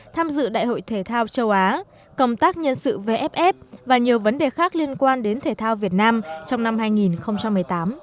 tham dự đại hội thể thao châu á công tác nhân sự vff và nhiều vấn đề khác liên quan đến thể thao việt nam trong năm hai nghìn một mươi tám